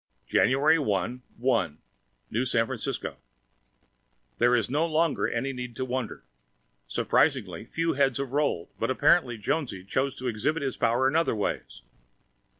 January 1, 1 New San Francisco There is no longer any need to wonder. Surprisingly few heads have rolled, but apparently Jonesy chooses to exhibit his power in other ways.